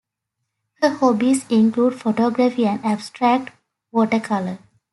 Her hobbies include photography and abstract watercolor.